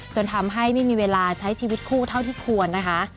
จนทำให้ไม่มีเวลาใช้ชีวิตคู่เท่าที่ควรนะคะ